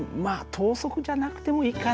等速じゃなくてもいいかな。